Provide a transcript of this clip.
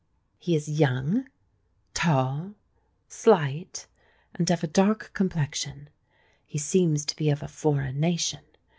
He is young—tall—slight—and of a dark complexion. He seems to be of a foreign nation.